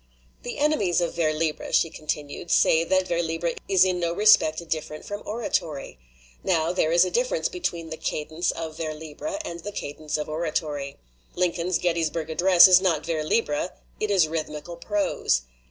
"The enemies of vers libre," she continued, "say that vers libre is in no respect different from oratory. Now, there is a difference between the cadence of vers libre and the cadence of oratory. Lincoln's Gettysburg address is not vers libre, it is rhythmical prose.